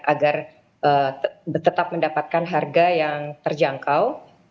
agar tetap mendapatkan harga yang terjangkau